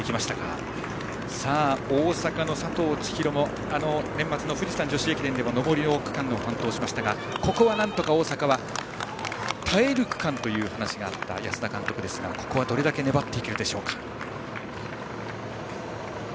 大阪の佐藤千紘も年末の富士山女子駅伝で上りの区間を担当しましたがここはなんとか大阪は耐える区間という話があった安田監督ですがここでどれだけ粘れるか。